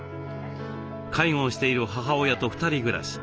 介護をしている母親と２人暮らし。